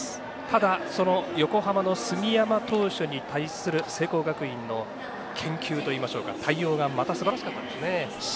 ただ、その横浜の杉山投手に対する聖光学院の研究といいましょうか対応がまたすばらしかったですね。